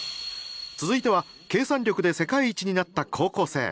続いては計算力で世界一になった高校生！